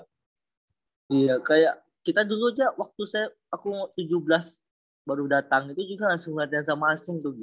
iya kayak kita dulu aja waktu saya aku tujuh belas baru datang itu juga langsung latihan sama asing tuh